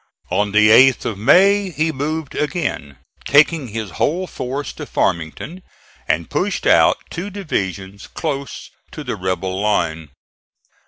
On the 8th of May he moved again, taking his whole force to Farmington, and pushed out two divisions close to the rebel line.